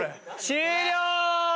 終了！